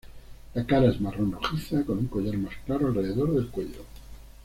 La cara es marrón rojiza con un collar más claro alrededor del cuello.